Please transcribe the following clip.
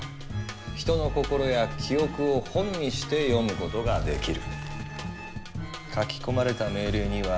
人の心や記憶を「本」にして読むことができる。